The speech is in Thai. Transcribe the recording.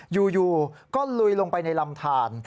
อยู่ก็ลุยลงไปในลำทาน